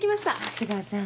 瀬川さん